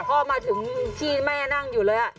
พ่อมาถึงที่แม่นั่งอยู่เลย